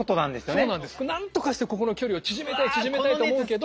そうなんですなんとかしてここの距離を縮めたい縮めたいと思うけど。